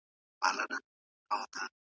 هغوی د موضوع تحلیل کاوه.